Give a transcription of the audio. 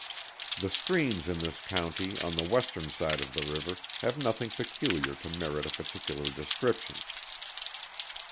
The streams in this county on the western side of the river, have nothing peculiar to merit a particular description.